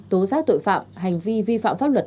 tố giác tội phạm hành vi vi phạm pháp luật